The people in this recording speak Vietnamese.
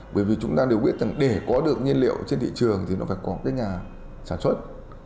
bởi vì chúng ta đều biết rằng để có được nhiên liệu trên thị trường thì nó phải có cái nhà sản xuất